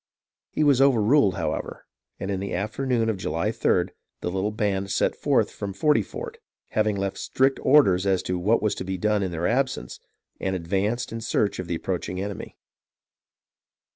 He was overruled, however, and in the afternoon of July 3d, the little band set forth from Forty Fort, having left strict orders as to what was to be done in their absence, and advanced in search of the approaching enemy.